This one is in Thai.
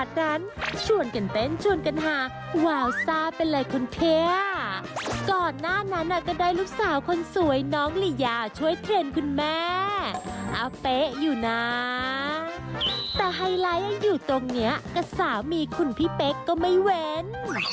แต่ไฮไลท์ยังอยู่ตรงนี้กับสามีคุณพี่เป๊กก็ไม่เว้น